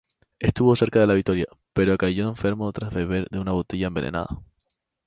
Estuvo cerca de la victoria, pero cayó enfermo tras beber de una botella envenenada.